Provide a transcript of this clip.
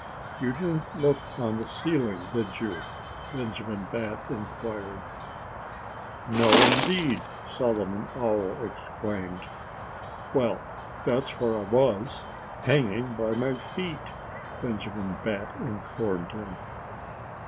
"You didn't look on the ceiling, did you?" Benjamin Bat inquired. "No, indeed!" Solomon Owl exclaimed. "Well, that's where I was, hanging by my feet," Benjamin Bat informed him.